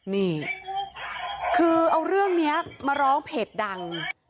นี่คือเอาเรื่องนี้มาร้องเพจดัง